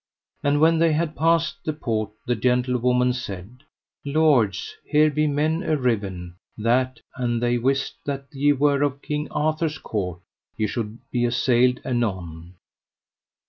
And when they had passed the port, the gentlewoman said: Lords, here be men arriven that, an they wist that ye were of King Arthur's court, ye should be assailed anon.